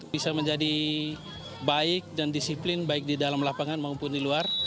bisa menjadi baik dan disiplin baik di dalam lapangan maupun di luar